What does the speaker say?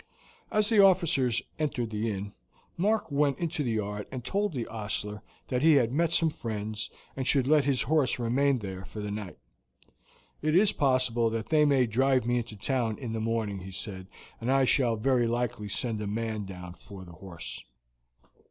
As the officers entered the inn Mark went into the yard and told the ostler that he had met some friends, and should let his horse remain there for the night. "It is possible that they may drive me into the town in the morning," he said; "and I shall very likely send a man down for the horse."